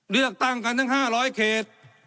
เลือกตั้งกันทั้ง๕๐๐เขต